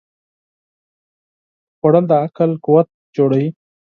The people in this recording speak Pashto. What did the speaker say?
خوړل د عقل قوت جوړوي